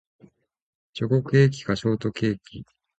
チョコケーキかショートケーキ